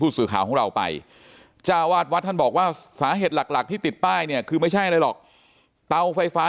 สื่อข่าวของเราไปจ้าวาดวัดท่านบอกว่าสาเหตุหลักหลักที่ติดป้ายเนี่ยคือไม่ใช่อะไรหรอกเตาไฟฟ้า